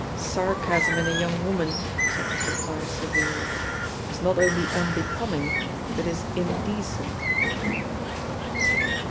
"Sarcasm in a young woman," said Mr. Parr severely, "is not only unbecoming, it is indecent!"